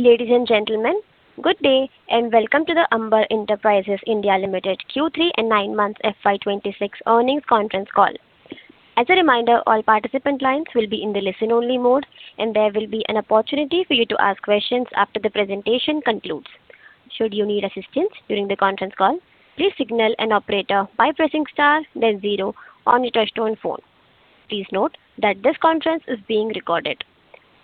Ladies and gentlemen, good day and welcome to the Amber Enterprises India Limited Q3 and 9 months FY26 earnings conference call. As a reminder, all participant lines will be in the listen-only mode, and there will be an opportunity for you to ask questions after the presentation concludes. Should you need assistance during the conference call, please signal an operator by pressing * then 0 on your touchtone phone. Please note that this conference is being recorded.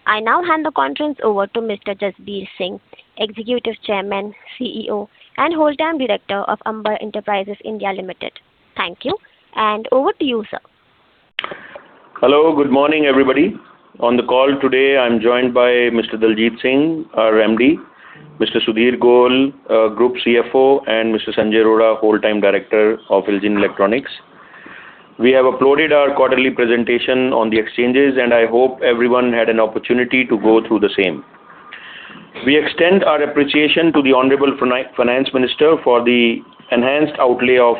I now hand the conference over to Mr. Jasbir Singh, Executive Chairman, CEO, and Whole Time Director of Amber Enterprises India Limited. Thank you, and over to you, sir. Hello, good morning everybody. On the call today, I'm joined by Mr. Daljit Singh, our MD, Mr. Sudhir Goyal, Group CFO, and Mr. Sanjay Kumar Arora, Whole Time Director of IL JIN Electronics. We have uploaded our quarterly presentation on the exchanges, and I hope everyone had an opportunity to go through the same. We extend our appreciation to the Honorable Finance Minister for the enhanced outlay of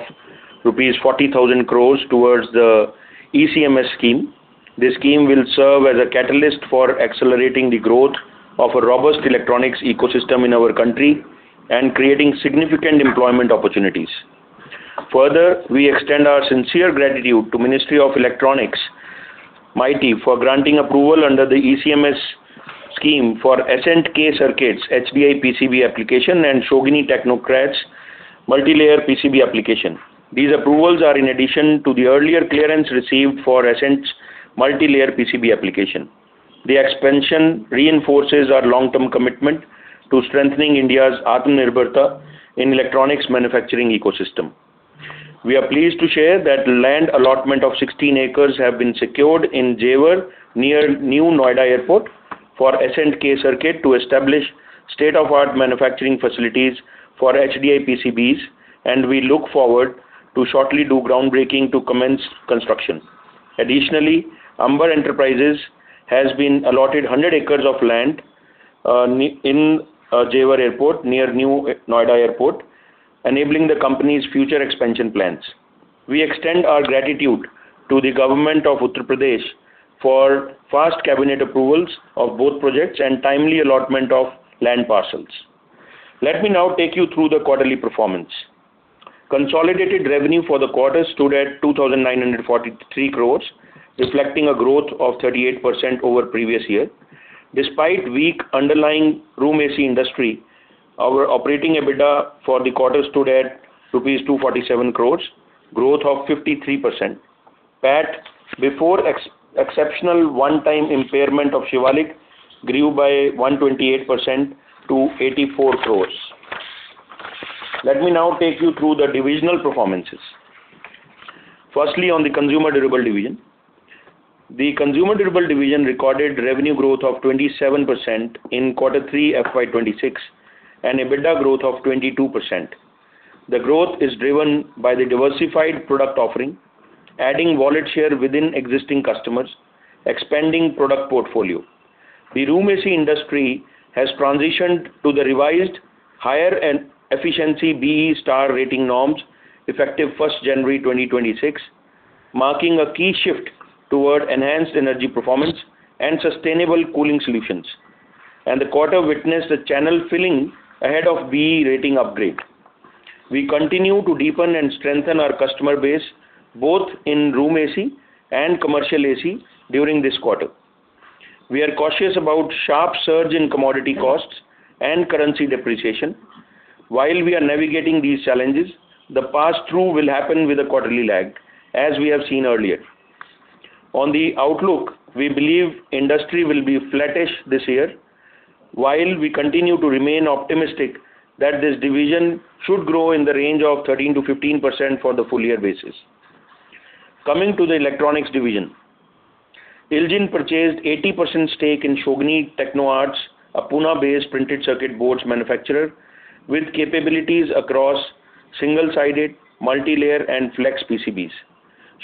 rupees 40,000 crore towards the ECMS scheme. This scheme will serve as a catalyst for accelerating the growth of a robust electronics ecosystem in our country and creating significant employment opportunities. Further, we extend our sincere gratitude to the Ministry of Electronics, MeitY, for granting approval under the ECMS scheme for Ascent-K Circuits HDI PCB application and Shogini Technoarts' Multilayer PCB application. These approvals are in addition to the earlier clearance received for Ascent's Multilayer PCB application. The expansion reinforces our long-term commitment to strengthening India's Atmanirbhar Bharat in the electronics manufacturing ecosystem. We are pleased to share that land allotment of 16 acres has been secured in Jewar near New Noida Airport for Ascent-K Circuits to establish state-of-the-art manufacturing facilities for HDI PCBs, and we look forward to shortly doing groundbreaking to commence construction. Additionally, Amber Enterprises has been allotted 100 acres of land in Jewar near New Noida Airport, enabling the company's future expansion plans. We extend our gratitude to the Government of Uttar Pradesh for fast cabinet approvals of both projects and timely allotment of land parcels. Let me now take you through the quarterly performance. Consolidated revenue for the quarter stood at 2,943 crores, reflecting a growth of 38% over the previous year. Despite weak underlying room AC industry, our operating EBITDA for the quarter stood at 247 crores rupees, growth of 53%. PAT, before exceptional one-time impairment of Shivalik, grew by 128% to 84 crores. Let me now take you through the divisional performances. Firstly, on the Consumer Durable Division. The Consumer Durable Division recorded revenue growth of 27% in Q3 FY26 and EBITDA growth of 22%. The growth is driven by the diversified product offering, adding wallet share within existing customers, and expanding product portfolio. The room AC industry has transitioned to the revised higher efficiency BEE star rating norms effective 1 January 2026, marking a key shift toward enhanced energy performance and sustainable cooling solutions. The quarter witnessed a channel filling ahead of BEE rating upgrade. We continue to deepen and strengthen our customer base, both in room AC and commercial AC, during this quarter. We are cautious about sharp surge in commodity costs and currency depreciation. While we are navigating these challenges, the pass-through will happen with a quarterly lag, as we have seen earlier. On the outlook, we believe the industry will be flattish this year, while we continue to remain optimistic that this division should grow in the range of 13%-15% for the full-year basis. Coming to the electronics division, IL JIN purchased an 80% stake in Shogini Technoarts, a Pune-based printed circuit boards manufacturer with capabilities across single-sided, multilayer, and flex PCBs.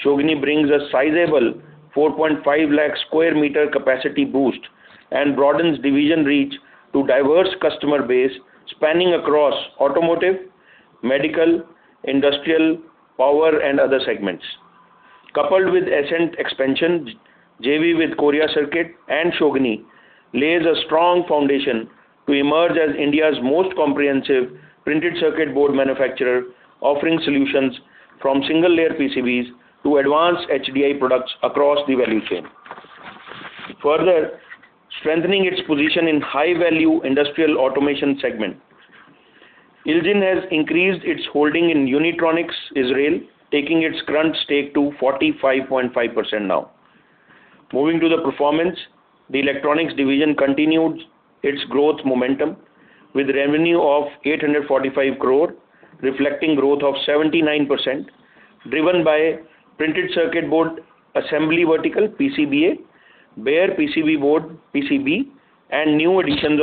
Shogini brings a sizable 450,000 square meter capacity boost and broadens division reach to a diverse customer base spanning across automotive, medical, industrial, power, and other segments. Coupled with Ascent's expansion, JV with Korea Circuit and Shogini lays a strong foundation to emerge as India's most comprehensive printed circuit board manufacturer, offering solutions from single-layer PCBs to advanced HDI products across the value chain. Further, strengthening its position in the high-value industrial automation segment, IL JIN has increased its holding in Unitronics, Israel, taking its current stake to 45.5% now. Moving to the performance, the electronics division continues its growth momentum with revenue of 845 crore, reflecting a growth of 79% driven by printed circuit board assembly vertical (PCBA), bare PCB board (PCB), and new additions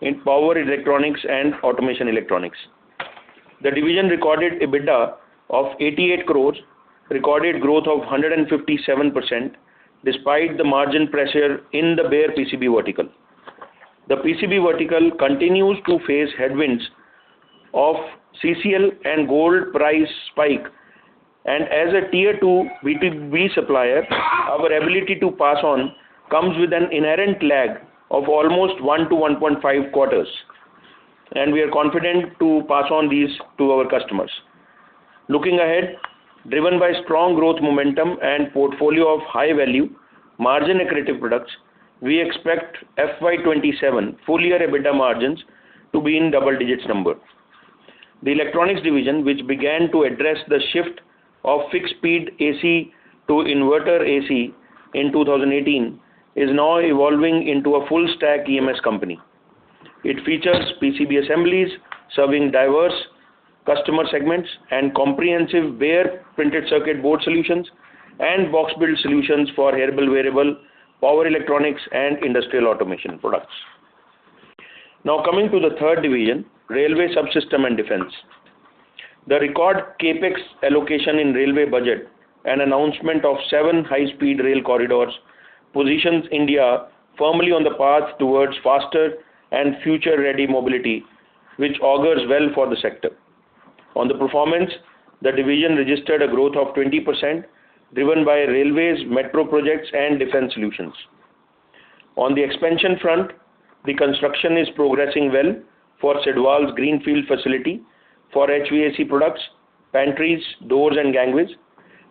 in power electronics and automation electronics. The division recorded an EBITDA of 88 crore, recording a growth of 157% despite the margin pressure in the bare PCB vertical. The PCB vertical continues to face headwinds of CCL and gold price spikes, and as a tier 2 B2B supplier, our ability to pass on comes with an inherent lag of almost 1-1.5 quarters, and we are confident to pass on these to our customers. Looking ahead, driven by strong growth momentum and a portfolio of high-value, margin-accretive products, we expect FY27 full-year EBITDA margins to be in double-digit numbers. The electronics division, which began to address the shift of fixed-speed AC to inverter AC in 2018, is now evolving into a full-stack EMS company. It features PCB assemblies serving diverse customer segments and comprehensive bare printed circuit board solutions and box build solutions for mobile wearable, power electronics, and industrial automation products. Now coming to the third division, Railway Subsystems and Defense. The recorded CAPEX allocation in the railway budget and the announcement of 7 high-speed rail corridors position India firmly on the path towards faster and future-ready mobility, which augurs well for the sector. On the performance, the division registered a growth of 20% driven by railways, metro projects, and defense solutions. On the expansion front, the construction is progressing well for Sidwal's greenfield facility for HVAC products, pantries, doors, and gangways,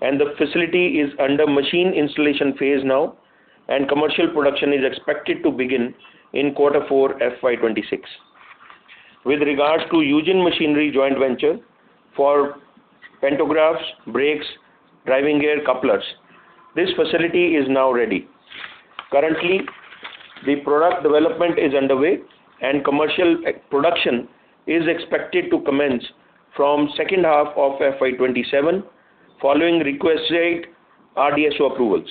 and the facility is under the machine installation phase now, and commercial production is expected to begin in Q4 FY26. With regards to Yujin Machinery joint venture for pantographs, brakes, driving gear, and couplers, this facility is now ready. Currently, the product development is underway, and commercial production is expected to commence from the second half of FY27 following requested RDSO approvals.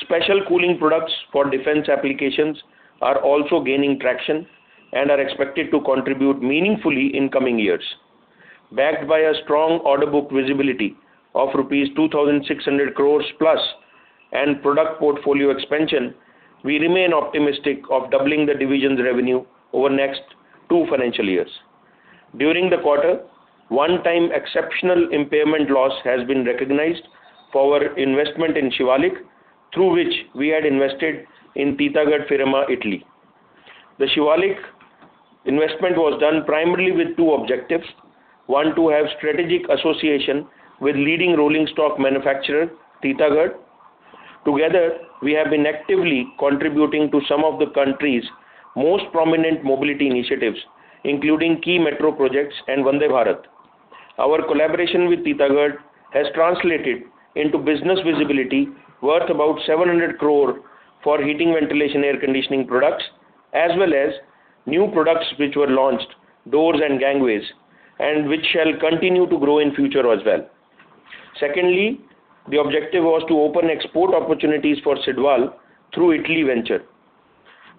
Special cooling products for defense applications are also gaining traction and are expected to contribute meaningfully in the coming years. Backed by a strong order book visibility of rupees 2,600 crore+ and a product portfolio expansion, we remain optimistic of doubling the division's revenue over the next two financial years. During the quarter, one-time exceptional impairment loss has been recognized for our investment in Shivalik, through which we had invested in Titagarh Firema Italy. The Shivalik investment was done primarily with two objectives: one, to have a strategic association with the leading rolling stock manufacturer, Titagarh. Together, we have been actively contributing to some of the country's most prominent mobility initiatives, including key metro projects and Vande Bharat. Our collaboration with Titagarh has translated into business visibility worth about 700 crores for heating, ventilation, and air conditioning products, as well as new products which were launched, doors and gangways, and which shall continue to grow in the future as well. Secondly, the objective was to open export opportunities for Sidwal through an Italy venture.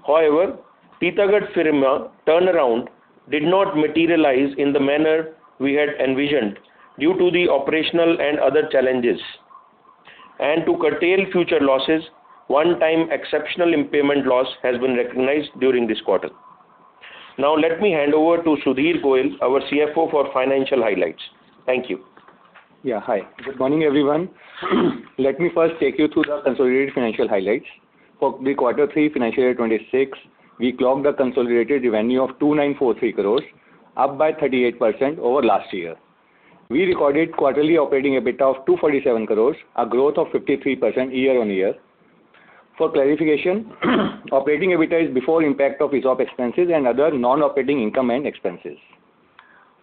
However, the Titagarh Firema turnaround did not materialize in the manner we had envisioned due to the operational and other challenges. And to curtail future losses, one-time exceptional impairment loss has been recognized during this quarter. Now let me hand over to Sudhir Goyal, our CFO, for financial highlights. Thank you. Yeah, hi. Good morning everyone. Let me first take you through the consolidated financial highlights. For Q3 financial year 2026, we clocked a consolidated revenue of 2,943 crores, up by 38% over last year. We recorded quarterly operating EBITDA of 247 crores, a growth of 53% year-over-year. For clarification, operating EBITDA is before the impact of ESOP expenses and other non-operating income and expenses.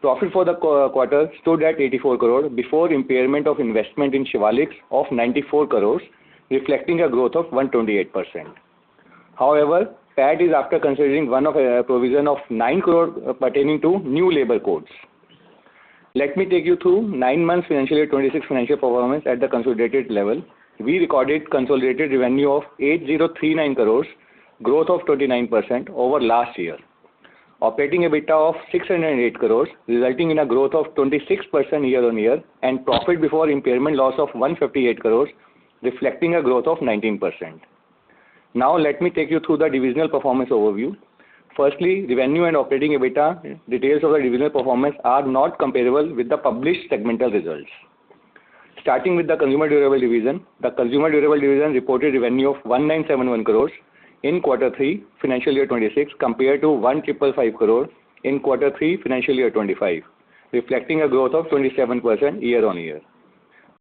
Profit for the quarter stood at 84 crores before the impairment of investment in Shivalik of 94 crores, reflecting a growth of 128%. However, PAT is after considering one provision of 9 crores pertaining to new labor codes. Let me take you through the nine months financial year 2026 financial performance at the consolidated level. We recorded a consolidated revenue of 8,039 crores, a growth of 29% over last year. Operating EBITDA of 608 crore resulted in a growth of 26% year-on-year and profit before the impairment loss of 158 crore, reflecting a growth of 19%. Now let me take you through the divisional performance overview. Firstly, revenue and operating EBITDA details of the divisional performance are not comparable with the published segmental results. Starting with the Consumer Durable Division, the Consumer Durable Division reported a revenue of 1,971 crore in Q3 financial year 2026 compared to 1,555 crore in Q3 financial year 2025, reflecting a growth of 27% year-on-year.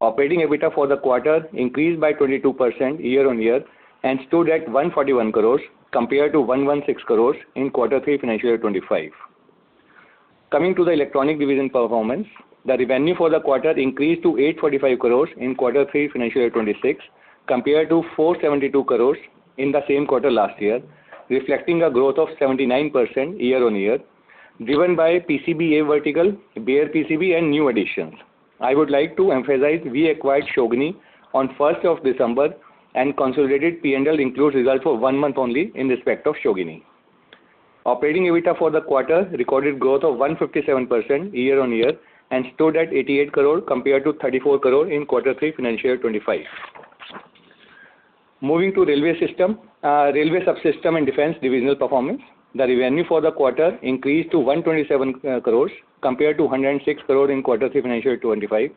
Operating EBITDA for the quarter increased by 22% year-on-year and stood at 141 crore compared to 116 crore in Q3 financial year 2025. Coming to the electronic division performance, the revenue for the quarter increased to 845 crores in Q3 financial year 2026 compared to 472 crores in the same quarter last year, reflecting a growth of 79% year-on-year driven by PCBA vertical, bare PCB, and new additions. I would like to emphasize that we acquired Shogini on the 1st of December, and the consolidated P&L includes results for one month only in respect of Shogini. Operating EBITDA for the quarter recorded a growth of 157% year-on-year and stood at 88 crores compared to 34 crores in Q3 financial year 2025. Moving to the railway subsystem and defense divisional performance, the revenue for the quarter increased to 127 crores compared to 106 crores in Q3 financial year 2025,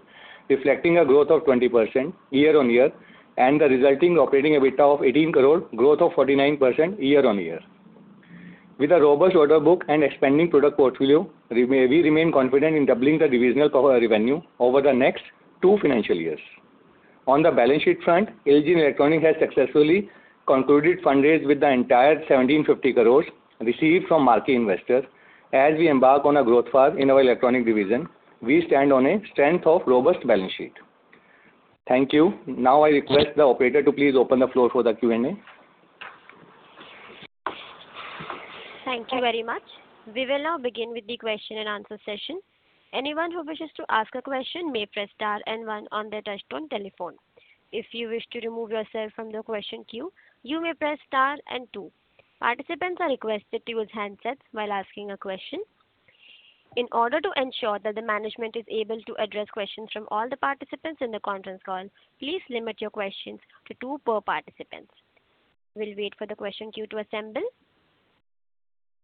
reflecting a growth of 20% year-on-year and the resulting operating EBITDA of 18 crores, a growth of 49% year-on-year. With a robust order book and an expanding product portfolio, we remain confident in doubling the divisional revenue over the next two financial years. On the balance sheet front, IL JIN Electronics has successfully concluded fundraising with the entire 1,750 crores received from market investors. As we embark on a growth path in our electronic division, we stand on the strength of a robust balance sheet. Thank you. Now I request the operator to please open the floor for the Q&A. Thank you very much. We will now begin with the question and answer session. Anyone who wishes to ask a question may press star and one on their touch-tone telephone. If you wish to remove yourself from the question queue, you may press star and two. Participants are requested to use handsets while asking a question. In order to ensure that the management is able to address questions from all the participants in the conference call, please limit your questions to two per participant. We will wait for the question queue to assemble.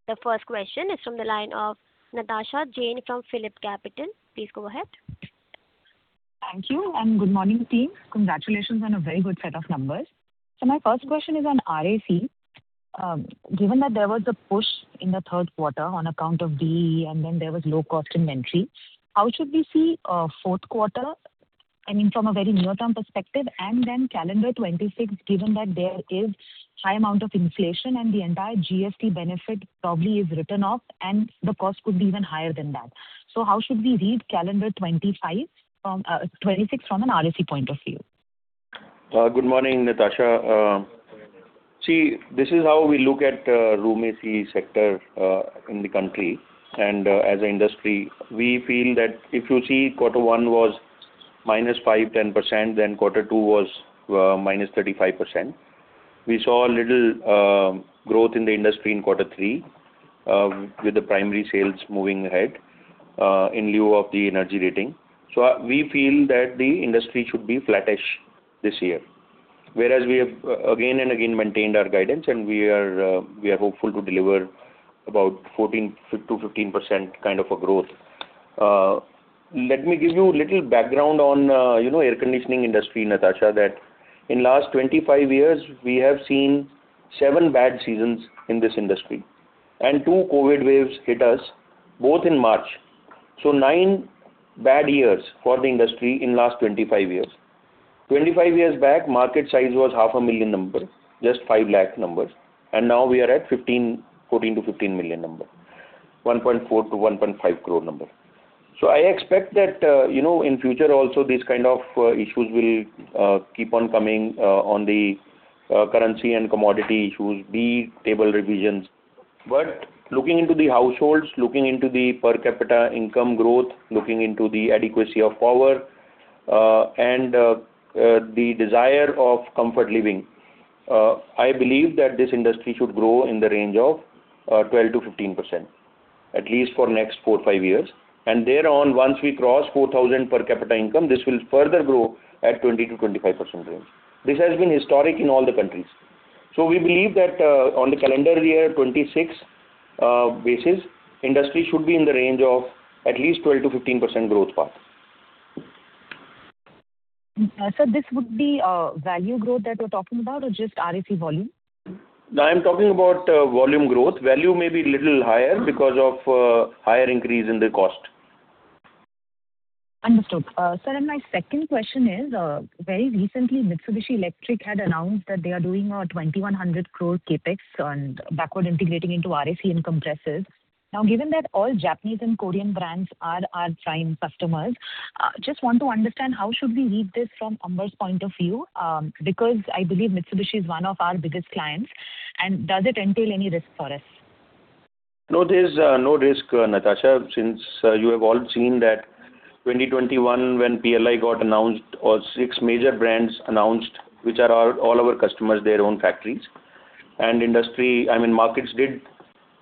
The first question is from the line of Natasha Jain from PhilipCapital. Please go ahead. Thank you, and good morning, team. Congratulations on a very good set of numbers. So my first question is on RAC. Given that there was a push in the third quarter on account of BEE, and then there was low-cost inventory, how should we see the fourth quarter from a very near-term perspective? And then calendar 2026, given that there is a high amount of inflation and the entire GST benefit probably is written off, and the cost could be even higher than that. So how should we read calendar 2026 from an RAC point of view? Good morning, Natasha. See, this is how we look at the room AC sector in the country. As an industry, we feel that if you see quarter one was minus five%-10%, then quarter two was minus 35%. We saw a little growth in the industry in quarter three with the primary sales moving ahead in lieu of the energy rating. We feel that the industry should be flattish this year, whereas we have again and again maintained our guidance, and we are hopeful to deliver about 14%-15% kind of growth. Let me give you a little background on the air conditioning industry, Natasha, that in the last 25 years, we have seen seven bad seasons in this industry, and two COVID waves hit us both in March. Nine bad years for the industry in the last 25 years. 25 years back, the market size was 500,000 numbers, just 500,000 numbers. And now we are at 14-15 million numbers, 1.4-1.5 crore numbers. So I expect that in the future, also, these kinds of issues will keep on coming on the currency and commodity issues, big table revisions. But looking into the households, looking into the per capita income growth, looking into the adequacy of power, and the desire for comfort living, I believe that this industry should grow in the range of 12%-15%, at least for the next four to five years. And thereon, once we cross $4,000 per capita income, this will further grow at the 20%-25% range. This has been historic in all the countries. We believe that on the calendar year, on a CY26 basis, the industry should be in the range of at least 12%-15% growth path. Sir, this would be value growth that you're talking about or just RAC volume? I'm talking about volume growth. Value may be a little higher because of a higher increase in the cost. Understood. Sir, my second question is, very recently, Mitsubishi Electric had announced that they are doing 2,100 crore CapEx and backward integrating into RAC in compressors. Now, given that all Japanese and Korean brands are our prime customers, I just want to understand how should we read this from Amber's point of view because I believe Mitsubishi is one of our biggest clients. Does it entail any risk for us? No, there is no risk, Natasha, since you have all seen that in 2021, when PLI got announced, six major brands announced, which are all our customers, their own factories. I mean, markets did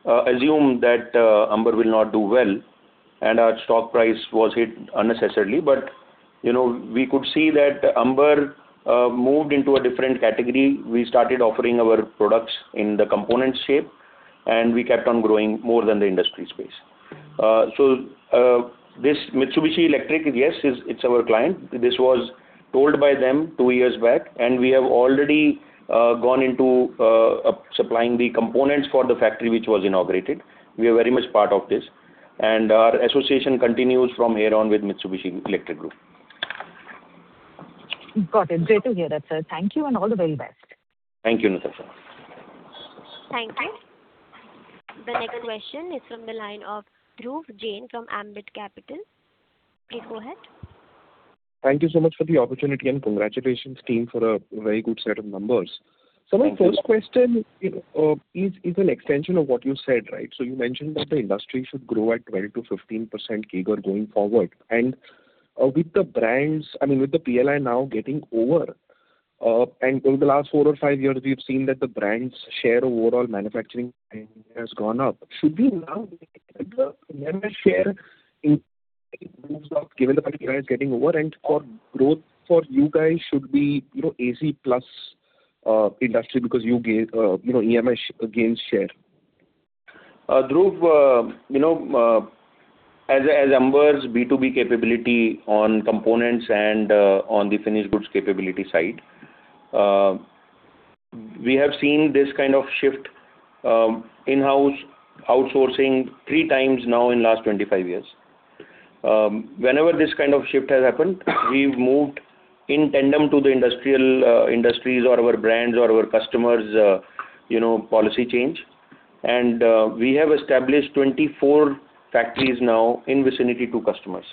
assume that Amber will not do well, and our stock price was hit unnecessarily. But we could see that Amber moved into a different category. We started offering our products in the components shape, and we kept on growing more than the industry space. So this Mitsubishi Electric, yes, it's our client. This was told by them two years back, and we have already gone into supplying the components for the factory which was inaugurated. We are very much part of this, and our association continues from here on with Mitsubishi Electric Group. Got it. Great to hear that, sir. Thank you and all the very best. Thank you, Natasha. Thank you. The next question is from the line of Dhruv Jain from Ambit Capital. Please go ahead. Thank you so much for the opportunity, and congratulations, team, for a very good set of numbers. So my first question is an extension of what you said, right? So you mentioned that the industry should grow at 12%-15% CAGR going forward. And with the brands, I mean, with the PLI now getting over, and over the last 4 or 5 years, we've seen that the brands' share of overall manufacturing has gone up. Should we now look at the EMS share given the fact that PLI is getting over? And for growth, for you guys, should it be an AZ-plus industry because you gained EMS gains share? Dhruv, as Amber's B2B capability on components and on the finished goods capability side, we have seen this kind of shift in-house, outsourcing three times now in the last 25 years. Whenever this kind of shift has happened, we've moved in tandem to the industries or our brands or our customers' policy change. We have established 24 factories now in the vicinity of two customers.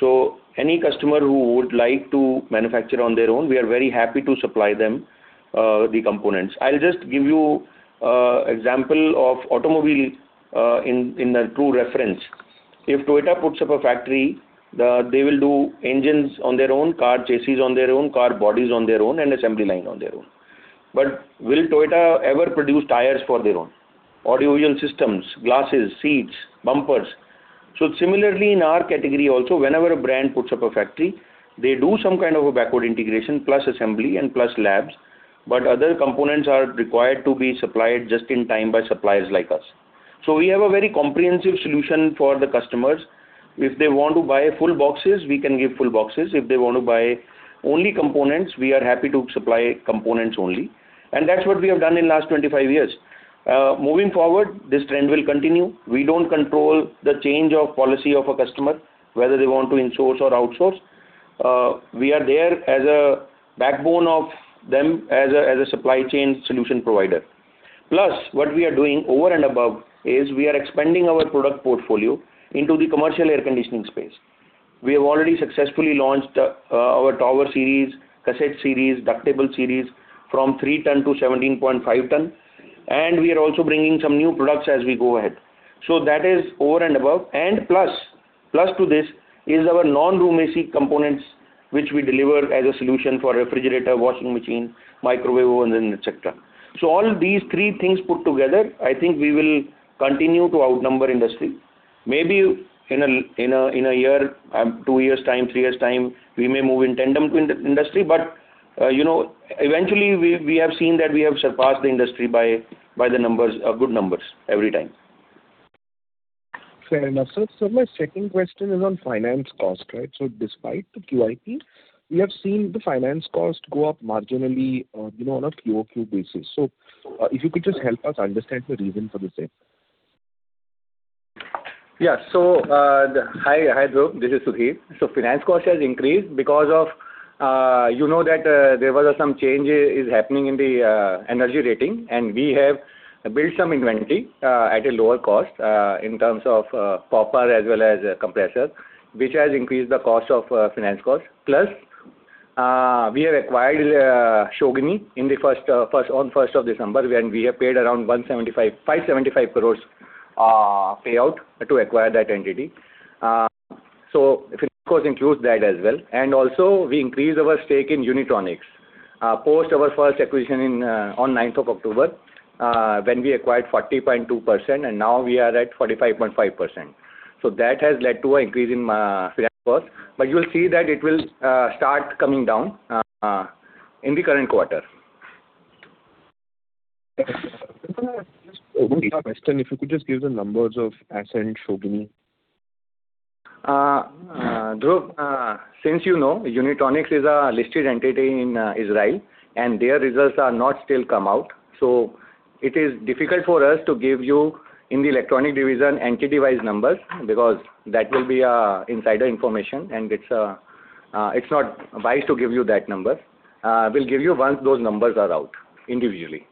So any customer who would like to manufacture on their own, we are very happy to supply them the components. I'll just give you an example of automobile in a true reference. If Toyota puts up a factory, they will do engines on their own, car chassis on their own, car bodies on their own, and assembly line on their own. But will Toyota ever produce tires for their own, audiovisual systems, glasses, seats, bumpers? Similarly, in our category also, whenever a brand puts up a factory, they do some kind of backward integration plus assembly and plus labs, but other components are required to be supplied just in time by suppliers like us. We have a very comprehensive solution for the customers. If they want to buy full boxes, we can give full boxes. If they want to buy only components, we are happy to supply components only. And that's what we have done in the last 25 years. Moving forward, this trend will continue. We don't control the change of policy of a customer, whether they want to insource or outsource. We are there as a backbone of them as a supply chain solution provider. Plus, what we are doing over and above is we are expanding our product portfolio into the commercial air conditioning space. We have already successfully launched our Tower series, Cassette series, Ductable series from 3 tons to 17.5 tons. We are also bringing some new products as we go ahead. That is over and above. Plus to this is our non-room AC components, which we deliver as a solution for refrigerator, washing machine, microwave, and then, etc. All these three things put together, I think we will continue to outnumber the industry. Maybe in a year, two years' time, three years' time, we may move in tandem to the industry. But eventually, we have seen that we have surpassed the industry by the numbers, good numbers every time. Fair enough. So my second question is on finance cost, right? If you could just help us understand the reason for this shift. Yes. So hi, Dhruv. This is Sudhir. So finance cost has increased because of you know that there was some change happening in the energy rating, and we have built some inventory at a lower cost in terms of copper as well as compressors, which has increased the cost of finance costs. Plus, we have acquired Shogini on the 1st of December, and we have paid around 575 crore payout to acquire that entity. So finance cost includes that as well. And also, we increased our stake in Unitronics post our first acquisition on the 9th of October when we acquired 40.2%, and now we are at 45.5%. So that has led to an increase in finance cost. But you'll see that it will start coming down in the current quarter. One last question. If you could just give the numbers of Ascent, Shogini. Dhruv, since you know, Unitronics is a listed entity in Israel, and their results have not yet come out. So it is difficult for us to give you, in the electronic division, entity-wise numbers because that will be insider information, and it's not wise to give you that number. We'll give you once those numbers are out individually.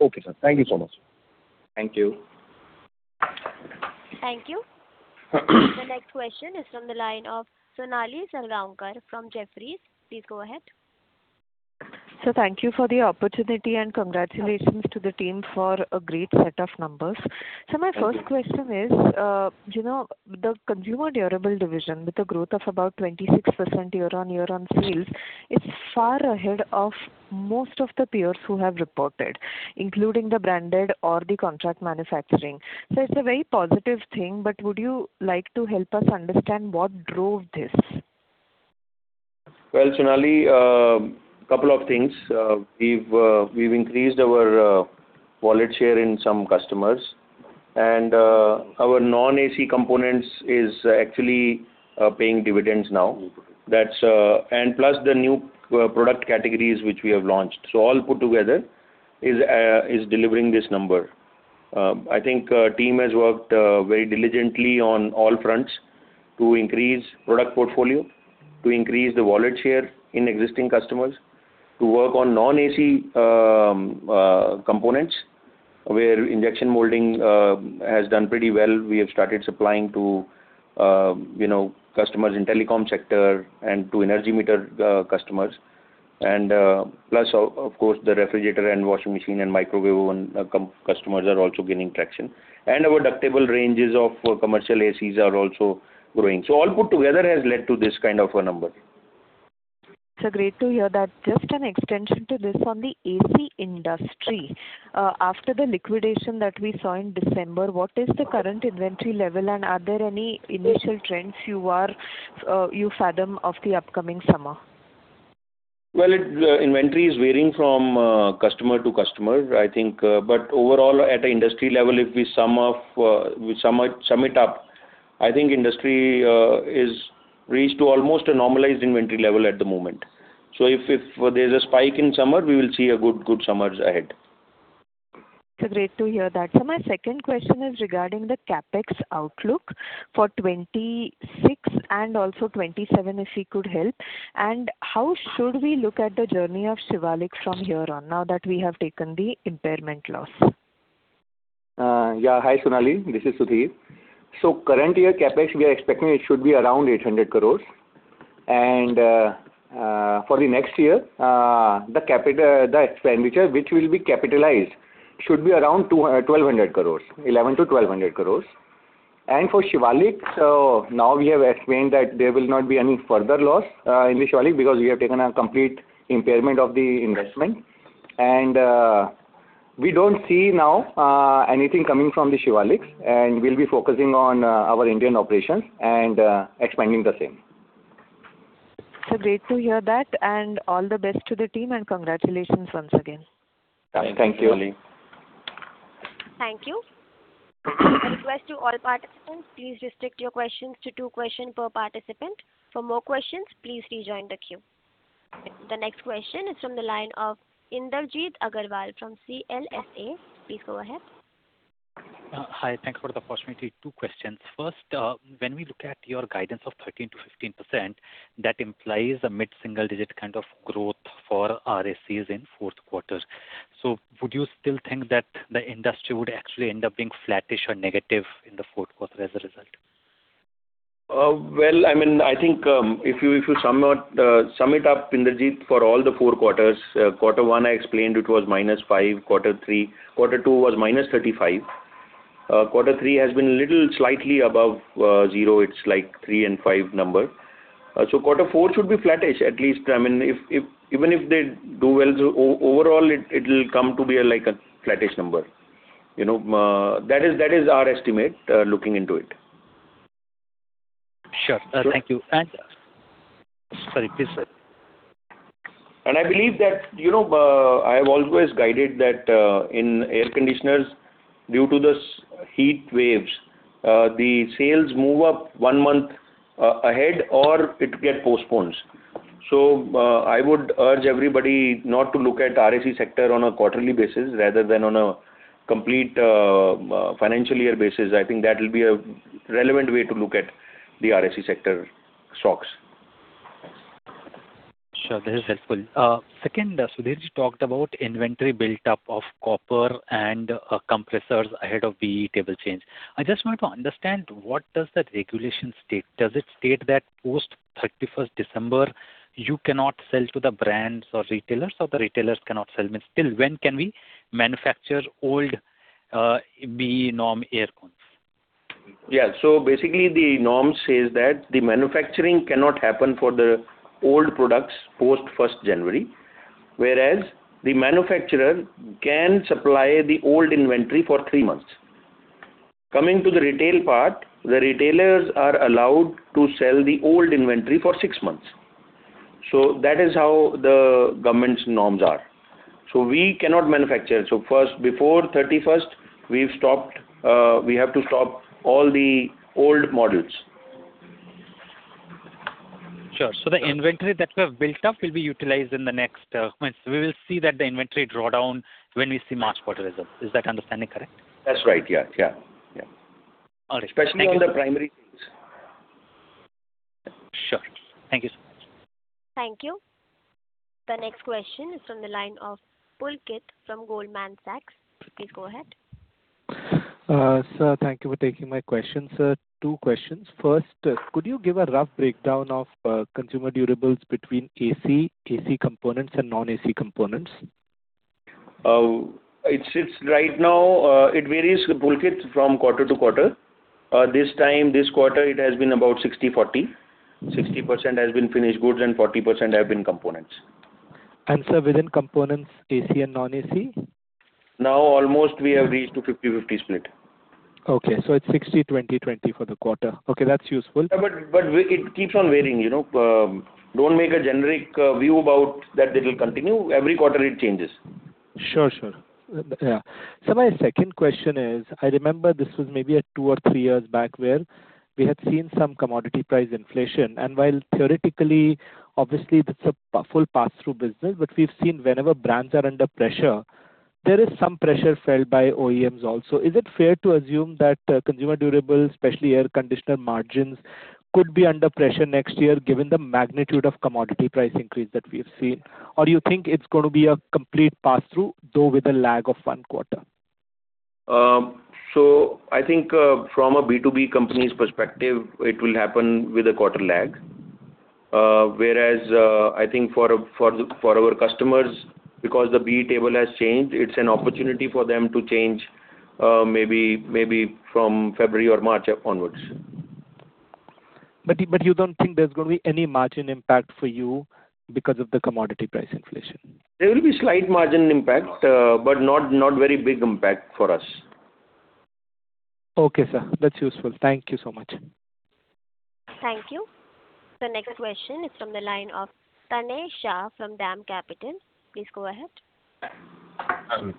Okay, sir. Thank you so much. Thank you. Thank you. The next question is from the line of Sonali Sangramkar from Jefferies. Please go ahead. Thank you for the opportunity, and congratulations to the team for a great set of numbers. My first question is, the consumer durable division, with a growth of about 26% year-on-year on sales, is far ahead of most of the peers who have reported, including the branded or the contract manufacturing. It's a very positive thing, but would you like to help us understand what drove this? Well, Sonali, a couple of things. We've increased our wallet share in some customers, and our non-AC components are actually paying dividends now, and plus the new product categories which we have launched. So all put together is delivering this number. I think the team has worked very diligently on all fronts to increase the product portfolio, to increase the wallet share in existing customers, to work on non-AC components where injection molding has done pretty well. We have started supplying to customers in the telecom sector and to energy meter customers. And plus, of course, the refrigerator and washing machine and microwave-owned customers are also gaining traction. And our ductable ranges of commercial ACs are also growing. So all put together has led to this kind of number. Great to hear that. Just an extension to this on the AC industry. After the liquidation that we saw in December, what is the current inventory level, and are there any initial trends you fathom of the upcoming summer? Well, inventory is varying from customer to customer, I think. But overall, at an industry level, if we sum it up, I think the industry has reached almost a normalized inventory level at the moment. So if there's a spike in summer, we will see good summers ahead. So great to hear that. So my second question is regarding the CapEx outlook for 2026 and also 2027, if you could help. And how should we look at the journey of Shivalik from here on now that we have taken the impairment loss? Yeah. Hi, Sonali. This is Sudhir. So current year, CapEx, we are expecting it should be around 800 crore. And for the next year, the expenditure, which will be capitalized, should be around 1,100 crore-1,200 crore. And for Shivalik, now we have explained that there will not be any further loss in the Shivalik because we have taken a complete impairment of the investment. And we don't see now anything coming from the Shivalik, and we'll be focusing on our Indian operations and expanding the same. Great to hear that. All the best to the team, and congratulations once again. Thank you. Thank you. I request all participants please restrict your questions to two questions per participant. For more questions, please rejoin the queue. The next question is from the line of Indrajit Agarwal from CLSA. Please go ahead. Hi. Thanks for the opportunity. Two questions. First, when we look at your guidance of 13%-15%, that implies a mid-single-digit kind of growth for RACs in the fourth quarter. So would you still think that the industry would actually end up being flattish or negative in the fourth quarter as a result? Well, I mean, I think if you sum it up, Inderjeet, for all the four quarters, quarter one, I explained it was -5; quarter two was -35. Quarter three has been a little slightly above zero. It's like a 3.5 number. So quarter four should be flattish, at least. I mean, even if they do well, overall, it will come to be a flattish number. That is our estimate looking into it. Sure. Thank you. And sorry, please say. I believe that I have always guided that in air conditioners, due to the heat waves, the sales move up one month ahead or it gets postponed. So I would urge everybody not to look at the RAC sector on a quarterly basis rather than on a complete financial year basis. I think that will be a relevant way to look at the RAC sector stocks. Sure. This is helpful. Second, Sudhir talked about the inventory buildup of copper and compressors ahead of the label change. I just want to understand, what does the regulation state? Does it state that post-31st December, you cannot sell to the brands or retailers, or the retailers cannot sell? I mean, still, when can we manufacture old BEE norm ACs? Yeah. So basically, the norm says that the manufacturing cannot happen for the old products post-1st January, whereas the manufacturer can supply the old inventory for three months. Coming to the retail part, the retailers are allowed to sell the old inventory for six months. So that is how the government's norms are. So we cannot manufacture. So first, before the 31st, we have to stop all the old models. Sure. So the inventory that we have built up will be utilized in the next months. We will see that the inventory drawdown when we see March quarter results. Is that understanding correct? That's right. Yeah. Yeah. Yeah. Especially on the primary things. Sure. Thank you so much. Thank you. The next question is from the line of Pulkit from Goldman Sachs. Please go ahead. Sir, thank you for taking my question, sir. Two questions. First, could you give a rough breakdown of consumer durables between AC components and non-AC components? Right now, it varies, Pulkit, from quarter to quarter. This time, this quarter, it has been about 60/40. 60% has been finished goods, and 40% have been components. Sir, within components, AC and non-AC? Now, almost, we have reached a 50/50 split. Okay. It's 60/20/20 for the quarter. Okay. That's useful. But it keeps on varying. Don't make a generic view about that it will continue. Every quarter, it changes. Sure. Sure. Yeah. So my second question is, I remember this was maybe two or three years back where we had seen some commodity price inflation. And while theoretically, obviously, it's a full pass-through business, but we've seen whenever brands are under pressure, there is some pressure felt by OEMs also. Is it fair to assume that consumer durables, especially air conditioner margins, could be under pressure next year given the magnitude of commodity price increase that we have seen? Or do you think it's going to be a complete pass-through, though with a lag of one quarter? I think from a B2B company's perspective, it will happen with a quarter lag. Whereas I think for our customers, because the BEE table has changed, it's an opportunity for them to change maybe from February or March onwards. But you don't think there's going to be any margin impact for you because of the commodity price inflation? There will be a slight margin impact, but not a very big impact for us. Okay, sir. That's useful. Thank you so much. Thank you. The next question is from the line of Tanesha from Dam Capital. Please go ahead.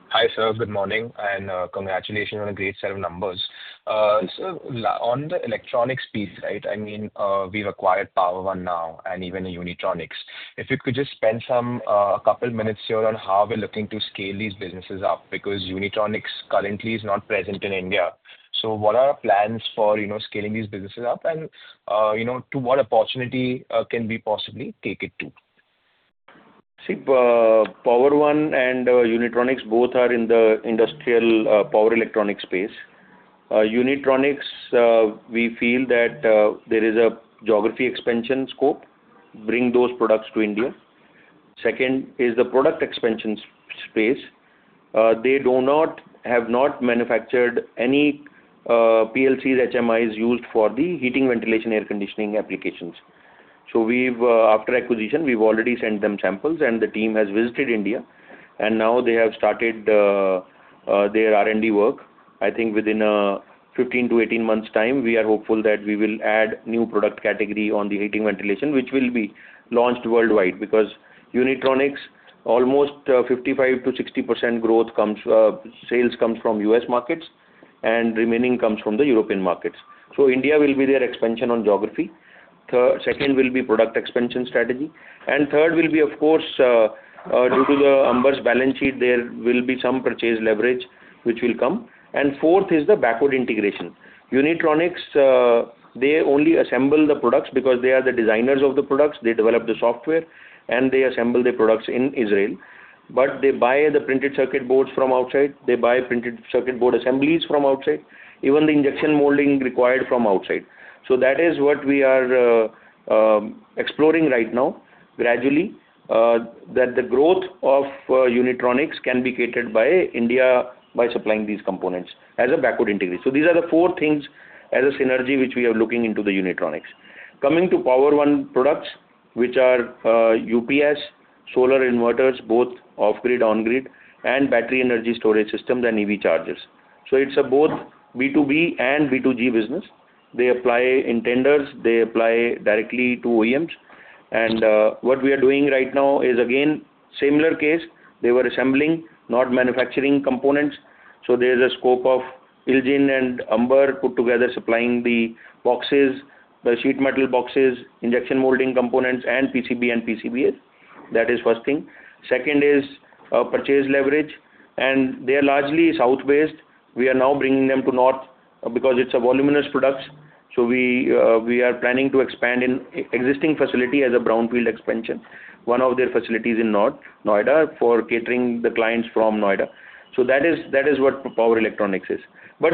Hi, sir. Good morning. Congratulations on a great set of numbers. Sir, on the electronics piece, right, I mean, we've acquired PowerOne now and even Unitronics. If you could just spend a couple of minutes here on how we're looking to scale these businesses up because Unitronics currently is not present in India. What are our plans for scaling these businesses up, and to what opportunity can we possibly take it to? See, PowerOne and Unitronics both are in the industrial power electronics space. Unitronics, we feel that there is a geography expansion scope to bring those products to India. Second is the product expansion space. They have not manufactured any PLCs, HMIs used for the heating, ventilation, air conditioning applications. So after acquisition, we've already sent them samples, and the team has visited India. And now, they have started their R&D work. I think within 15-18 months' time, we are hopeful that we will add a new product category on the heating, ventilation, which will be launched worldwide because Unitronics, almost 55%-60% sales come from the U.S. markets, and the remaining comes from the European markets. So India will be their expansion on geography. Second will be the product expansion strategy. And third will be, of course, due to Amber's balance sheet, there will be some purchase leverage, which will come. And fourth is the backward integration. Unitronics, they only assemble the products because they are the designers of the products. They develop the software, and they assemble the products in Israel. But they buy the printed circuit boards from outside. They buy printed circuit board assemblies from outside, even the injection molding required from outside. So that is what we are exploring right now gradually, that the growth of Unitronics can be catered by India by supplying these components as a backward integration. So these are the four things as a synergy which we are looking into the Unitronics. Coming to PowerOne products, which are UPS, solar inverters, both off-grid, on-grid, and battery energy storage systems and EV chargers. So it's both a B2B and B2G business. They apply to intenders. They apply directly to OEMs. What we are doing right now is, again, a similar case. They were assembling, not manufacturing components. There's a scope of IL JIN and Amber put together supplying the boxes, the sheet metal boxes, injection molding components, and PCB and PCBs. That is the first thing. Second is purchase leverage. They are largely south-based. We are now bringing them to north because it's voluminous products. We are planning to expand in the existing facility as a brownfield expansion, one of their facilities in Noida, for catering to the clients from Noida. That is what PowerOne is. But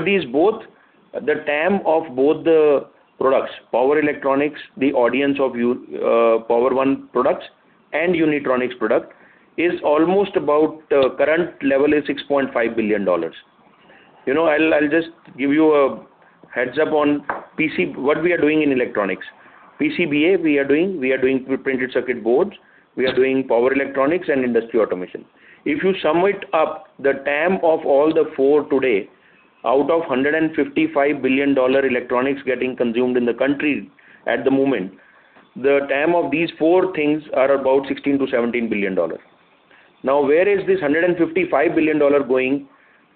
the TAM of both the products, PowerOne, the audience of PowerOne products, and Unitronics products, is almost about the current level is $6.5 billion. I'll just give you a heads-up on what we are doing in electronics. PCBA, we are doing printed circuit boards. We are doing power electronics and industrial automation. If you sum it up, the TAM of all the four today, out of $155 billion electronics getting consumed in the country at the moment, the TAM of these four things is about $16-$17 billion. Now, where is this $155 billion going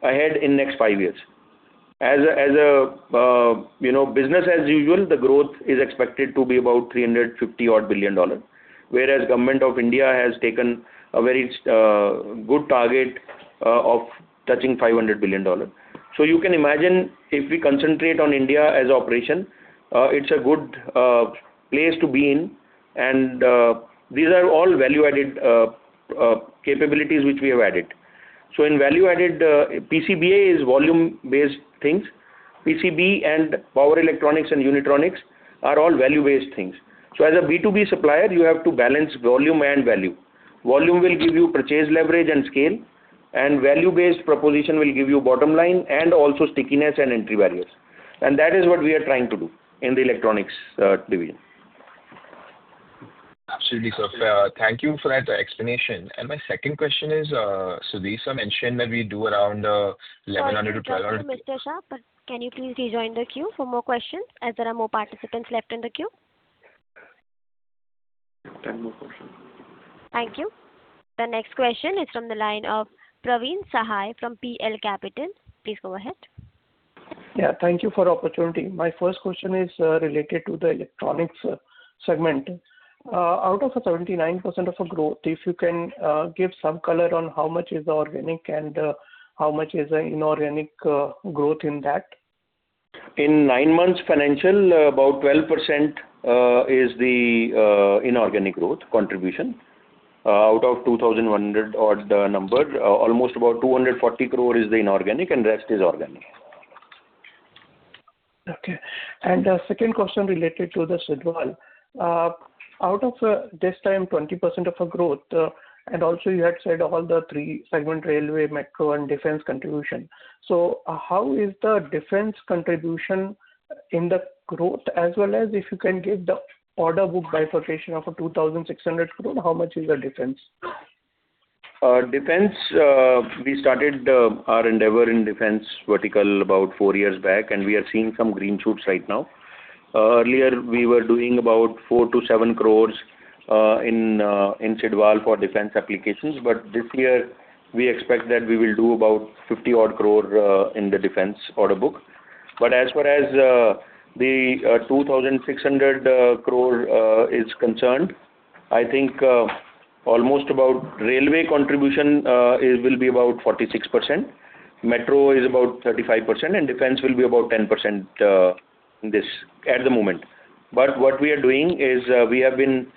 ahead in the next five years? As a business as usual, the growth is expected to be about $350-odd billion, whereas the government of India has taken a very good target of touching $500 billion. So you can imagine, if we concentrate on India as an operation, it's a good place to be in. And these are all value-added capabilities which we have added. So in value-added, PCBA is volume-based things. PCB and power electronics and Unitronics are all value-based things. So as a B2B supplier, you have to balance volume and value. Volume will give you purchase leverage and scale, and value-based proposition will give you bottom line and also stickiness and entry barriers. That is what we are trying to do in the electronics division. Absolutely, sir. Thank you for that explanation. And my second question is, Sudhir, you mentioned that we do around 1,100-1,200. Thank you, Mr. Shah. But can you please rejoin the queue for more questions as there are more participants left in the queue? 10 more questions. Thank you. The next question is from the line of Praveen Sahai from PL Capital. Please go ahead. Yeah. Thank you for the opportunity. My first question is related to the electronics segment. Out of 79% of growth, if you can give some color on how much is organic and how much is inorganic growth in that? In nine months' financial, about 12% is the inorganic growth contribution. Out of 2,100-odd numbers, almost about 240 crore is inorganic, and the rest is organic. Okay. And the second question is related to this, Sidwal. Out of this time, 20% of growth, and also, you had said all the three segments: railway, metro, and defense contribution. So how is the defense contribution in the growth, as well as if you can give the order book bifurcation of 2,600 crore, how much is the defense? Defense, we started our endeavor in defense vertical about four years back, and we are seeing some green shoots right now. Earlier, we were doing about 4 crore-7 crores in Sidwal for defense applications. But this year, we expect that we will do about 50-odd crores in the defense order book. But as far as the 2,600 crore is concerned, I think almost about railway contribution will be about 46%. Metro is about 35%, and defense will be about 10% at the moment. But what we are doing is we have been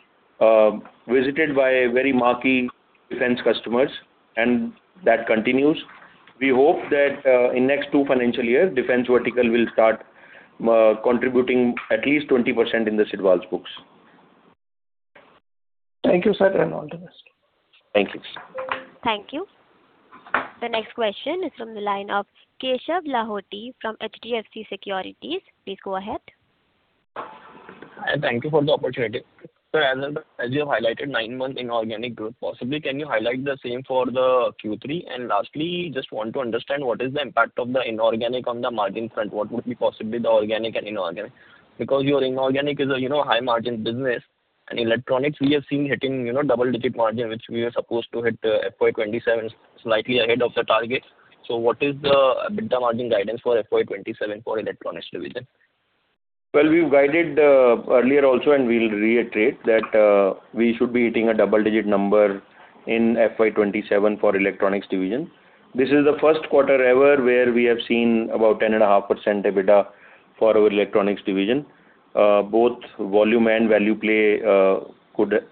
visited by very many defense customers, and that continues. We hope that in the next two financial years, defense vertical will start contributing at least 20% in the Sidwal's books. Thank you, sir, and all the best. Thank you. Thank you. The next question is from the line of Keshav Lahoti from HDFC Securities. Please go ahead. Thank you for the opportunity. Sir, as you have highlighted, 9 months inorganic growth. Possibly, can you highlight the same for Q3? And lastly, I just want to understand what is the impact of the inorganic on the margin front? What would be possibly the organic and inorganic? Because your inorganic is a high-margin business. And electronics, we have seen hitting double-digit margins, which we were supposed to hit FY27 slightly ahead of the target. So what is the big-margin guidance for FY27 for the electronics division? Well, we've guided earlier also, and we'll reiterate that we should be hitting a double-digit number in FY27 for the electronics division. This is the first quarter ever where we have seen about 10.5% EBITDA for our electronics division. Both volume and value play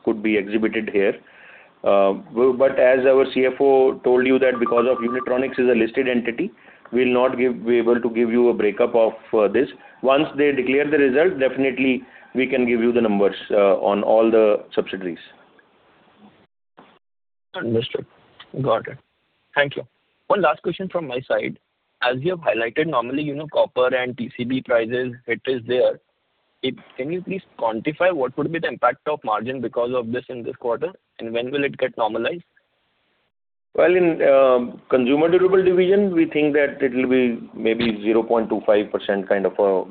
could be exhibited here. But as our CFO told you, because Unitronics is a listed entity, we'll not be able to give you a breakup of this. Once they declare the result, definitely, we can give you the numbers on all the subsidiaries. Understood. Got it. Thank you. One last question from my side. As you have highlighted, normally, copper and PCB prices hit there. Can you please quantify what would be the impact of margin because of this in this quarter, and when will it get normalized? Well, in the consumer durable division, we think that it will be maybe 0.25% kind of a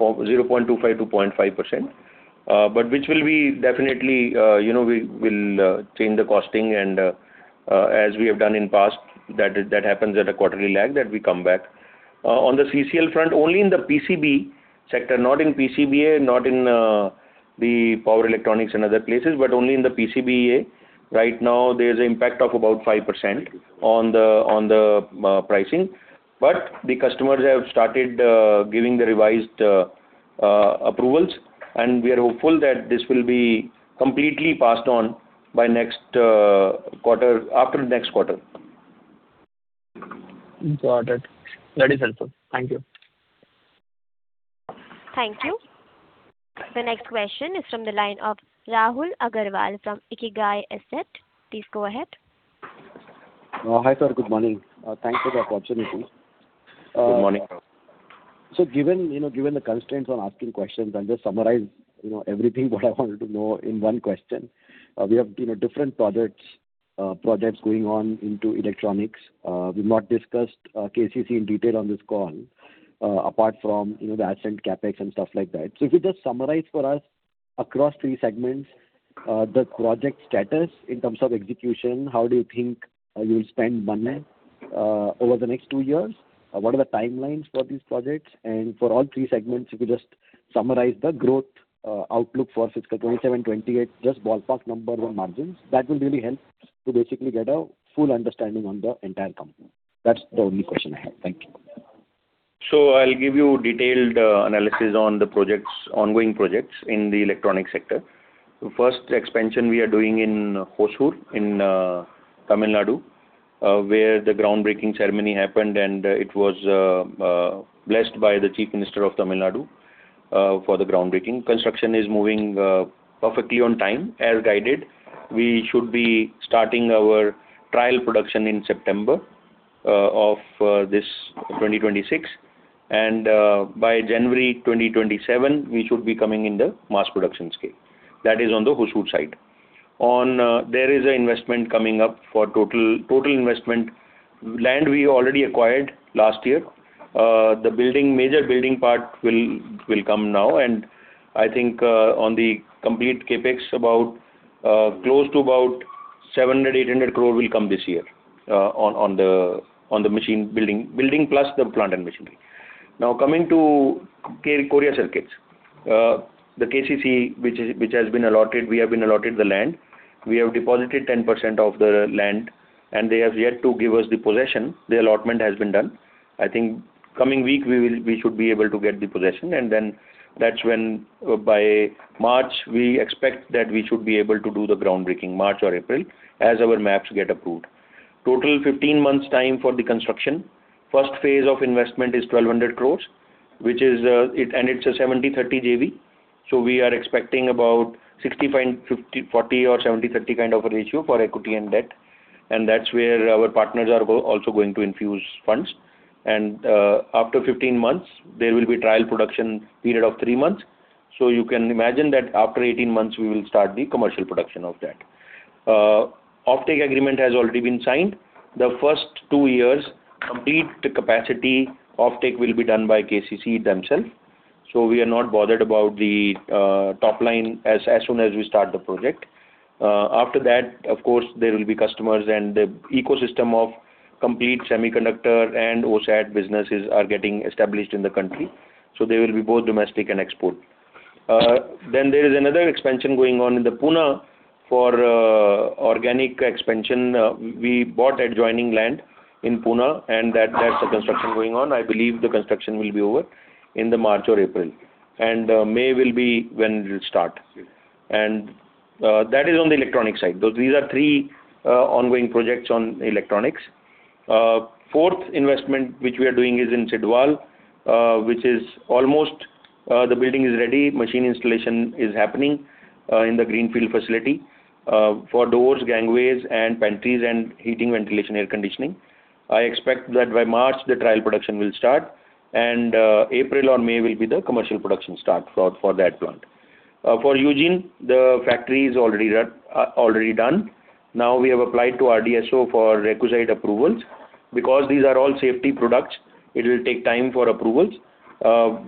0.25%-0.5%. But which will be definitely we will change the costing. And as we have done in the past, that happens at a quarterly lag that we come back. On the CCL front, only in the PCB sector, not in PCBA, not in the Power Electronics and other places, but only in the PCBA, right now, there's an impact of about 5% on the pricing. But the customers have started giving the revised approvals, and we are hopeful that this will be completely passed on after the next quarter. Got it. That is helpful. Thank you. Thank you. The next question is from the line of Rahul Agarwal from Ikigai Asset. Please go ahead. Hi, sir. Good morning. Thanks for the opportunity. Good morning. Sir, given the constraints on asking questions, I'll just summarize everything what I wanted to know in one question. We have different projects going on in electronics. We've not discussed KCC in detail on this call apart from the advances, CapEx, and stuff like that. So if you just summarize for us across three segments, the project status in terms of execution, how do you think you'll spend money over the next two years? What are the timelines for these projects? And for all three segments, if you just summarize the growth outlook for fiscal 2027, 2028, just ballpark numbers and margins, that will really help to basically get a full understanding on the entire company. That's the only question I have. Thank you. So I'll give you a detailed analysis on the ongoing projects in the electronics sector. The first expansion we are doing is in Khosur, in Tamil Nadu, where the groundbreaking ceremony happened. It was blessed by the Chief Minister of Tamil Nadu for the groundbreaking. Construction is moving perfectly on time, as guided. We should be starting our trial production in September of 2026. By January 2027, we should be coming in the mass production scale. That is on the Khosur side. There is an investment coming up for total investment. Land we already acquired last year. The major building part will come now. I think on the complete CapEx, close to about 700 crore-800 crore will come this year on the machine building, plus the plant and machinery. Now, coming to Korea Circuits, the KCC, which has been allotted we have been allotted the land. We have deposited 10% of the land, and they have yet to give us the possession. The allotment has been done. I think coming week, we should be able to get the possession. Then that's when by March, we expect that we should be able to do the groundbreaking, March or April, as our maps get approved. Total 15 months' time for the construction. The first phase of investment is 1,200 crore, and it's a 70/30 JV. So we are expecting about 60/40 or 70/30 kind of a ratio for equity and debt. That's where our partners are also going to infuse funds. And after 15 months, there will be a trial production period of 3 months. So you can imagine that after 18 months, we will start the commercial production of that. The offtake agreement has already been signed. The first two years, complete capacity offtake will be done by KCC themselves. So we are not bothered about the top line as soon as we start the project. After that, of course, there will be customers, and the ecosystem of complete semiconductor and OSAT businesses are getting established in the country. So there will be both domestic and export. Then there is another expansion going on in Pune. For organic expansion, we bought adjoining land in Pune, and that's the construction going on. I believe the construction will be over in March or April. And May will be when it will start. And that is on the electronics side. These are three ongoing projects on electronics. The fourth investment which we are doing is in Sidwal, which is almost the building is ready. Machine installation is happening in the greenfield facility for doors, gangways, and pantries, and heating, ventilation, air conditioning. I expect that by March, the trial production will start. April or May will be the commercial production start for that plant. For Yujin, the factory is already done. Now, we have applied to RDSO for requisite approvals. Because these are all safety products, it will take time for approvals.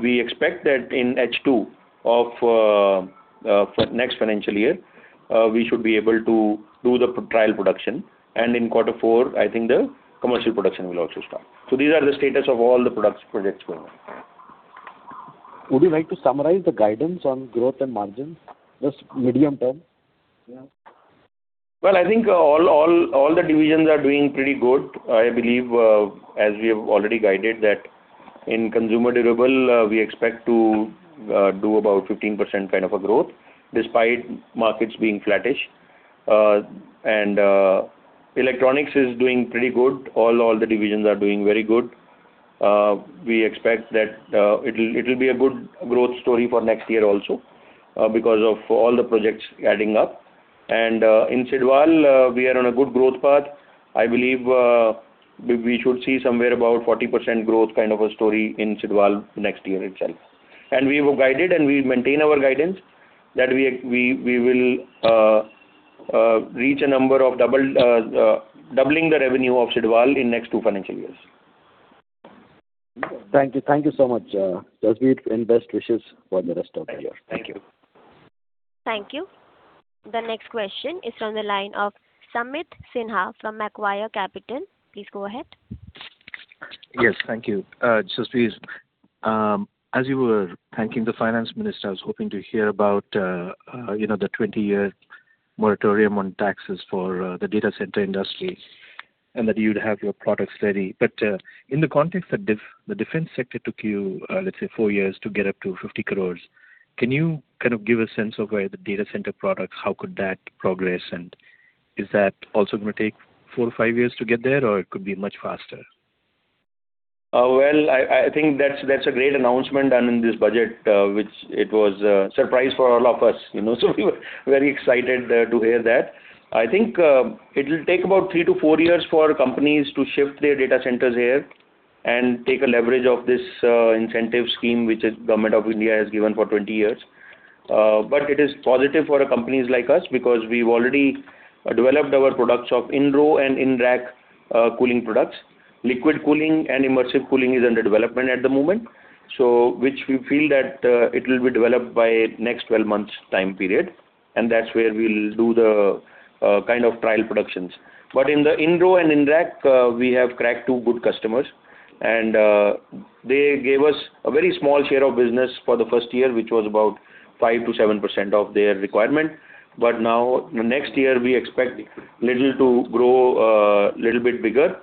We expect that in H2 of the next financial year, we should be able to do the trial production. In quarter four, I think the commercial production will also start. These are the status of all the projects going on. Would you like to summarize the guidance on growth and margins, just medium term? Well, I think all the divisions are doing pretty good. I believe, as we have already guided, that in consumer durable, we expect to do about 15% kind of growth despite markets being flattish. Electronics is doing pretty good. All the divisions are doing very good. We expect that it will be a good growth story for next year also because of all the projects adding up. In Sidwal, we are on a good growth path. I believe we should see somewhere about 40% growth kind of story in Sidwal next year itself. We were guided, and we maintain our guidance that we will reach a number of doubling the revenue of Sidwal in the next two financial years. Thank you. Thank you so much, Jasbir. Best wishes for the rest of the year. Thank you. Thank you. The next question is from the line of Sameet Sinha from McGuire Capital. Please go ahead. Yes. Thank you. Jaspreet, as you were thanking the finance minister, I was hoping to hear about the 20-year moratorium on taxes for the data center industry and that you would have your products ready. But in the context that the defense sector took you, let's say, 4 years to get up to 50 crore, can you kind of give a sense of where the data center products, how could that progress? And is that also going to take 4 or 5 years to get there, or it could be much faster? Well, I think that's a great announcement done in this budget, which it was a surprise for all of us. So we were very excited to hear that. I think it will take about 3-4 years for companies to shift their data centers here and take a leverage of this incentive scheme, which the Government of India has given for 20 years. But it is positive for companies like us because we've already developed our products of in-row and in-rack cooling products. Liquid cooling and immersive cooling is under development at the moment, which we feel that it will be developed by the next 12 months' time period. And that's where we'll do the kind of trial productions. But in the in-row and in-rack, we have cracked 2 good customers. They gave us a very small share of business for the first year, which was about 5%-7% of their requirement. But now, next year, we expect a little to grow a little bit bigger.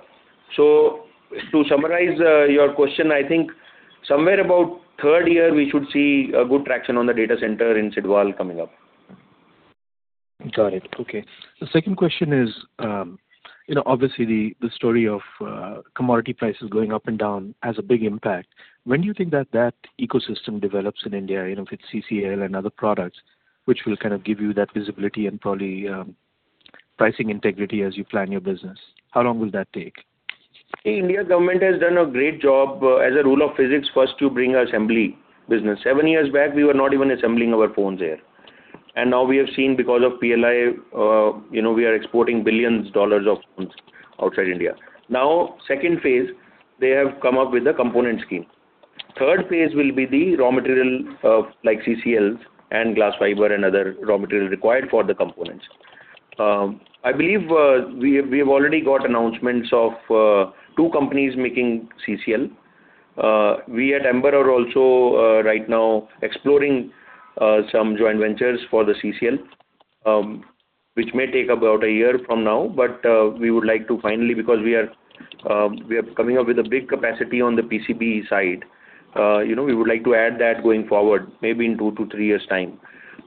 So to summarize your question, I think somewhere about the third year, we should see good traction on the data center in Sidwal coming up. Got it. Okay. The second question is, obviously, the story of commodity prices going up and down has a big impact. When do you think that that ecosystem develops in India with CCL and other products, which will kind of give you that visibility and probably pricing integrity as you plan your business? How long will that take? The Indian government has done a great job as a rule of physics first to bring assembly business. 7 years back, we were not even assembling our phones here. Now we have seen, because of PLI, we are exporting $ billions of phones outside India. Now, the second phase, they have come up with a component scheme. The third phase will be the raw material like CCLs and glass fiber and other raw materials required for the components. I believe we have already got announcements of 2 companies making CCL. We at Amber are also right now exploring some joint ventures for the CCL, which may take about a year from now. But we would like to finally because we are coming up with a big capacity on the PCB side, we would like to add that going forward, maybe in 2-3 years' time.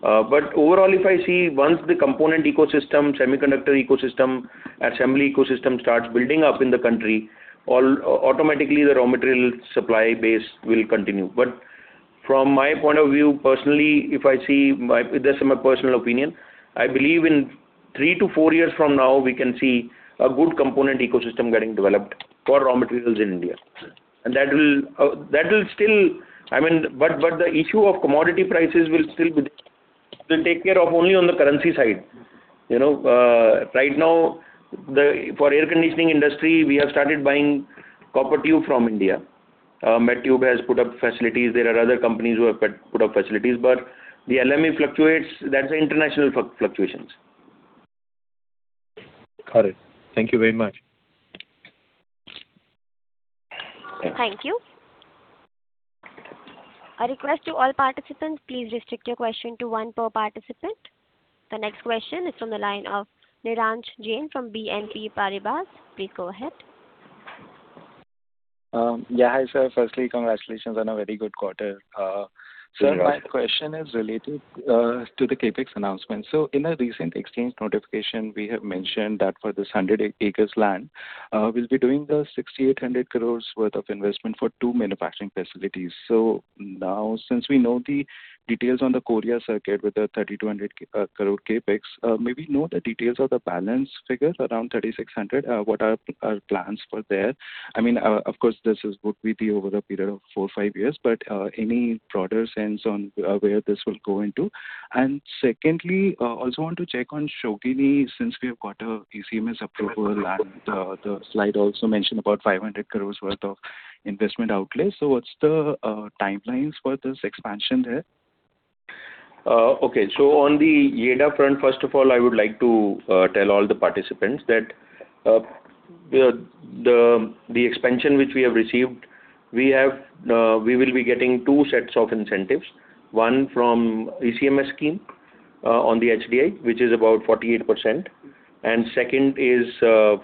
But overall, if I see once the component ecosystem, semiconductor ecosystem, assembly ecosystem starts building up in the country, automatically, the raw material supply base will continue. But from my point of view, personally, if I see this is my personal opinion, I believe in 3-4 years from now, we can see a good component ecosystem getting developed for raw materials in India. And that will still I mean, but the issue of commodity prices will still be there. We'll take care of only on the currency side. Right now, for the air conditioning industry, we have started buying copper tube from India. Mettube has put up facilities. There are other companies who have put up facilities. But the LME fluctuates. That's international fluctuations. Got it. Thank you very much. Thank you. A request to all participants: please restrict your question to one per participant. The next question is from the line of Nirransh Jain from BNP Paribas. Please go ahead. Yeah, hi, sir. Firstly, congratulations on a very good quarter. Sir, my question is related to the CapEx announcement. So in a recent exchange notification, we have mentioned that for this 100 acres of land, we'll be doing the 6,800 crore worth of investment for two manufacturing facilities. So now, since we know the details on the Korea Circuit with the 3,200 crore CapEx, may we know the details of the balance figure, around 3,600 crore, what our plans are for there? I mean, of course, this would be the overall period of four or five years, but any broader sense on where this will go into. And secondly, I also want to check on Shogini since we have got an ECMS approval, and the slide also mentioned about 500 crore worth of investment outlay. So what's the timelines for this expansion there? Okay. So on the YEIDA front, first of all, I would like to tell all the participants that the expansion which we have received, we will be getting two sets of incentives: one from the ECMS scheme on the HDI, which is about 48%, and the second is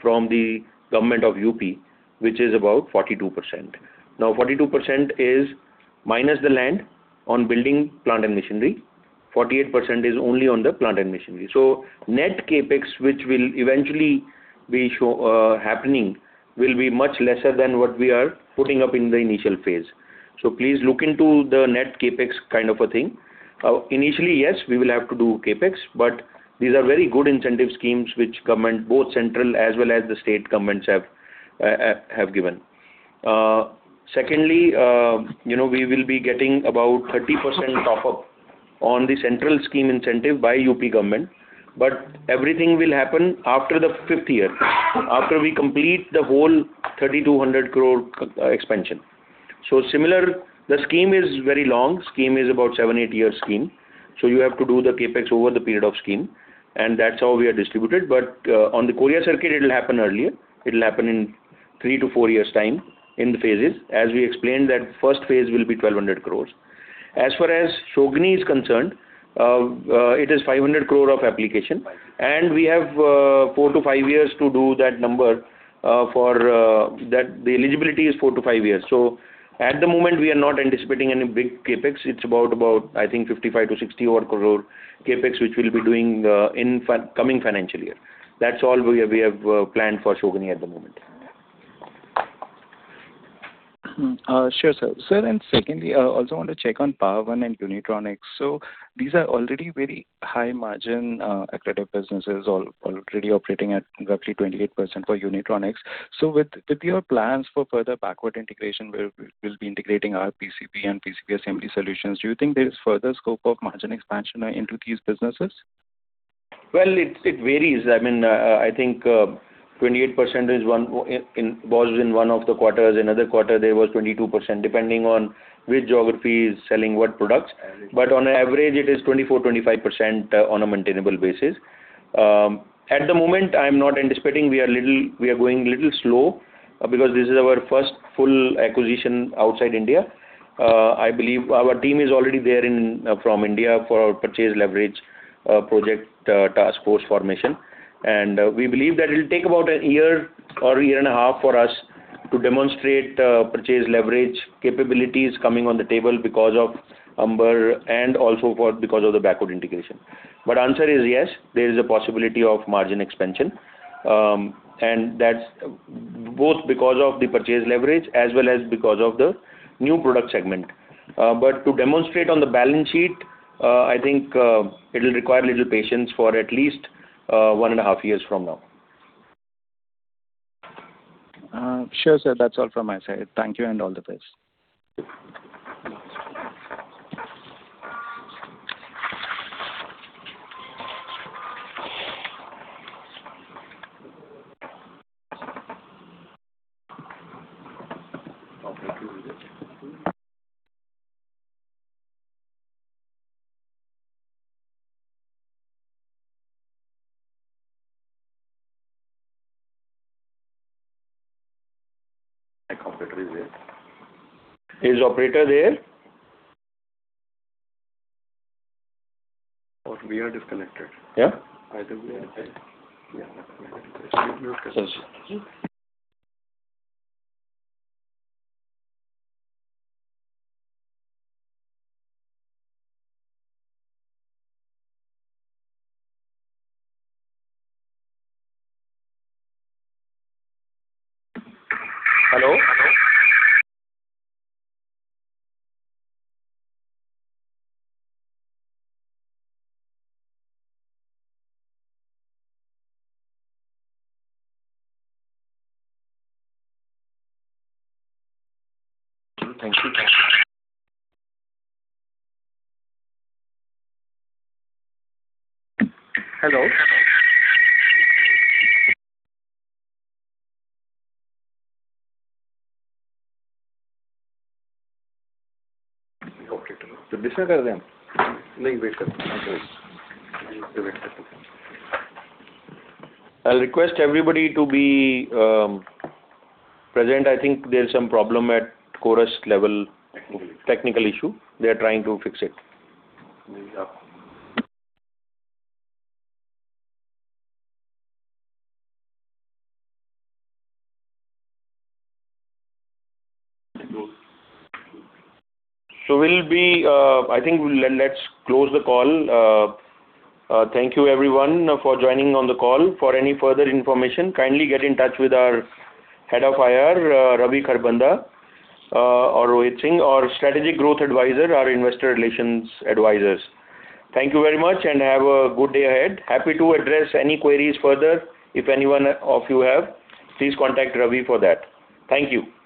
from the Government of UP, which is about 42%. Now, 42% is minus the land and building, plant, and machinery. 48% is only on the plant and machinery. So net CapEx, which will eventually be happening, will be much lesser than what we are putting up in the initial phase. So please look into the net CapEx kind of thing. Initially, yes, we will have to do CapEx, but these are very good incentive schemes which both central as well as the state governments have given. Secondly, we will be getting about 30% top-up on the central scheme incentive by the UP government. But everything will happen after the fifth year, after we complete the whole 3,200 crore expansion. So similarly, the scheme is very long. The scheme is about a 7- or 8-year scheme. So you have to do the CapEx over the period of the scheme. And that's how we are distributed. But on the Korea Circuit, it will happen earlier. It will happen in 3-4 years' time in the phases. As we explained, that first phase will be 1,200 crores. As far as Shogini is concerned, it is 500 crore of application. And we have 4-5 years to do that number for that. The eligibility is 4-5 years. So at the moment, we are not anticipating any big CapEx. It's about, I think, 55-60 crore CapEx, which we'll be doing in the coming financial year. That's all we have planned for Shogini at the moment. Sure, sir. Sir, and secondly, I also want to check on Power One and Unitronics. So these are already very high-margin accredited businesses, already operating at roughly 28% for Unitronics. So with your plans for further backward integration, we'll be integrating our PCB and PCB assembly solutions. Do you think there is further scope of margin expansion into these businesses? Well, it varies. I mean, I think 28% was in one of the quarters. In another quarter, there was 22%, depending on which geography is selling what products. But on average, it is 24%-25% on a maintainable basis. At the moment, I'm not anticipating we are going a little slow because this is our first full acquisition outside India. I believe our team is already there from India for our purchase leverage project task force formation. And we believe that it will take about a year or a year and a half for us to demonstrate purchase leverage capabilities coming on the table because of Amber and also because of the backward integration. But the answer is yes, there is a possibility of margin expansion. And that's both because of the purchase leverage as well as because of the new product segment. To demonstrate on the balance sheet, I think it will require a little patience for at least one and a half years from now. Sure, sir. That's all from my side. Thank you and all the best. My computer is there. Is the operator there? Or we are disconnected? Yeah? Either we are there. Yeah. So, sir. Hello? Hello? Thank you. Hello? Hello? Okay. The vision card again? Link weaker. I'll request everybody to be present. I think there's some problem at the Chorus level. Technical issue? Technical issue. They are trying to fix it. Okay. So I think let's close the call. Thank you, everyone, for joining on the call. For any further information, kindly get in touch with our head of IR, Ravi Kharbanda, or Rohit Singh, our strategic growth advisor, our investor relations advisors. Thank you very much, and have a good day ahead. Happy to address any queries further. If anyone of you have, please contact Ravi for that. Thank you. Thanks.